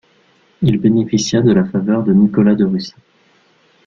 Il bénéficia de la faveur de Nicolas de Russie.